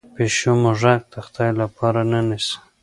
پیشو موږک د خدای لپاره نه نیسي.